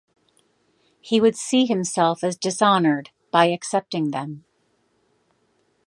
He would see himself as dishonored by accepting them.